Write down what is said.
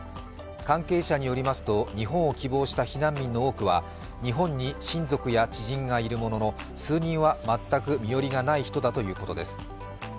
関係者によりますと日本を希望した避難民の多くは日本に親族や知人がいるものの、数人は、全く身寄りがない人だということです。